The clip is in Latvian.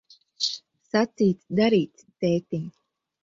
Sacīts, darīts, tētiņ.